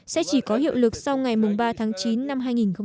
sẽ chỉ có hiệu lực sau ngày ba tháng chín năm hai nghìn một mươi chín